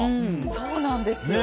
そうなんですよ。